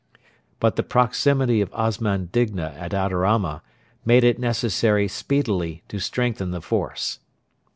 But the proximity of Osman Digna at Adarama made it necessary speedily to strengthen the force.